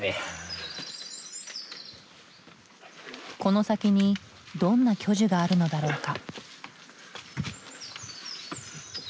この先にどんな巨樹があるのだろうか？